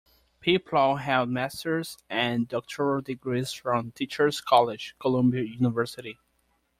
Peplau held master's and doctoral degrees from Teachers College, Columbia University.